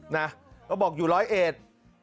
นะก็บอกอยู่ร้อยเอจ